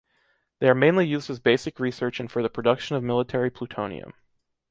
They are mainly used as basic research and for the production of military plutonium.